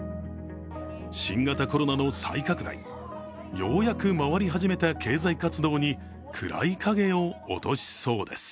新型コロナの再拡大、ようやく回り始めた経済活動に暗い影を落としそうです。